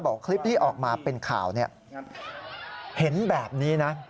คลิปที่ออกมาเป็นข่าวเนี่ยเห็นแบบนี้นะ